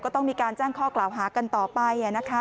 ต้องมีการแจ้งข้อกล่าวหากันต่อไปนะคะ